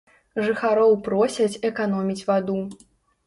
Жыхароў просяць эканоміць ваду.